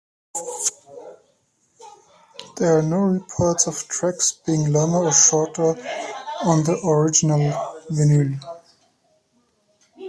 There are no reports of tracks being longer or shorter on the original vinyl.